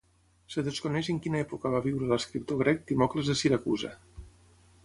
Es desconeix en quina època va viure l'escriptor grec Timocles de Siracusa.